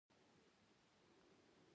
د شارپ لیدلوری دیني او اخلاقي نه دی.